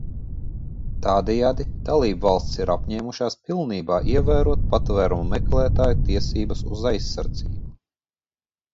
Tādējādi dalībvalstis ir apņēmušās pilnībā ievērot patvēruma meklētāju tiesības uz aizsardzību.